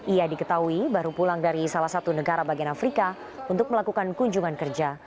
ia diketahui baru pulang dari salah satu negara bagian afrika untuk melakukan kunjungan kerja